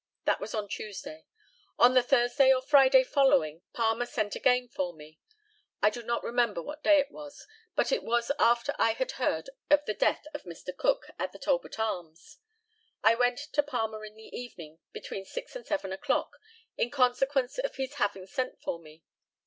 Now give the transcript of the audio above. That was on Tuesday. On the Thursday or Friday following Palmer sent again for me. I do not remember what day it was, but it was after I had heard of the death of Mr. Cook at the Talbot Arms. I went to Palmer in the evening, between six and seven o'clock, in consequence of his having sent for me.